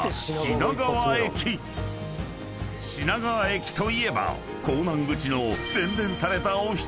［品川駅といえば港南口の洗練された］